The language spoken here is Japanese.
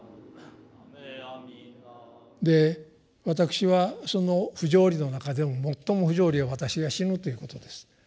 私はその「不条理」の中でも最も不条理は私が死ぬということです。